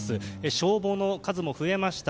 消防の数も増えました。